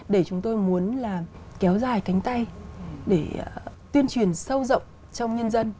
để chúng tôi muốn là kéo dài cánh tay để tuyên truyền sâu rộng trong nhân dân